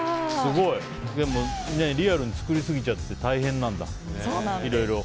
リアルに作りすぎちゃって大変なんだ、いろいろ。